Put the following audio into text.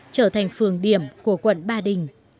trở thành phường điểm của quận ba đình